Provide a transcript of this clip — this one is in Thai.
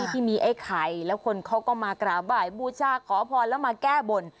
ที่มีไอ้ไข่แล้วคนเขาก็มากราบบ่ายบูชาขอพรแล้วมาแก้บน